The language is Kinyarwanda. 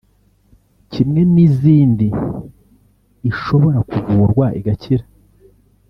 kimwe n’izindi ishobora kuvurwa igakira